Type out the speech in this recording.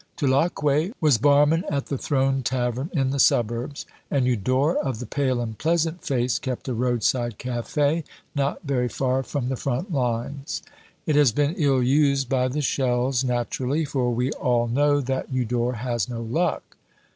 Tulacque was barman at the Throne Tavern in the suburbs; and Eudore of the pale and pleasant face kept a roadside cafe not very far from the front lines. It has been ill used by the shells naturally, for we all know that Eudore has no luck.